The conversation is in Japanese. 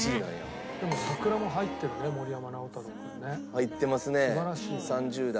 入ってますね３０代。